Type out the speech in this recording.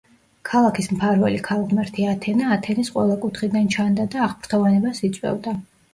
ქალაქის მფარველი ქალღმერთი ათენა ათენის ყველა კუთხიდან ჩანდა და აღფრთოვანებას იწვევდა.